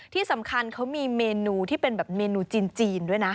ที่สำคัญเขามีเมนูที่เป็นแบบเมนูจีนด้วยนะ